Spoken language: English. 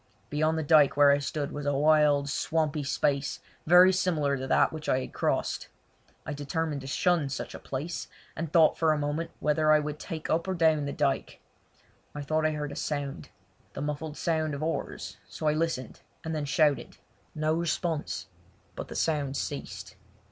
Beyond the dyke where I stood was a wild, swampy space very similar to that which I had crossed. I determined to shun such a place, and thought for a moment whether I would take up or down the dyke. I thought I heard a sound—the muffled sound of oars, so I listened, and then shouted. No response; but the sound ceased.